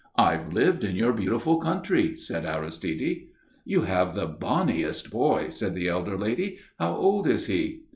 "I've lived in your beautiful country," said Aristide. "You have the bonniest boy," said the elder lady. "How old is he?"